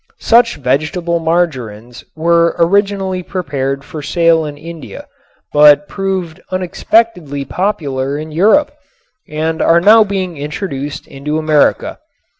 Such vegetable margarins were originally prepared for sale in India, but proved unexpectedly popular in Europe, and are now being introduced into America.